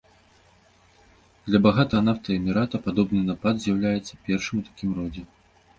Для багатага нафтай эмірата падобны напад з'яўляецца першым у такім родзе.